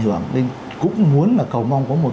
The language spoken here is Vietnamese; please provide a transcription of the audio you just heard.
hưởng nên cũng muốn là cầu mong có một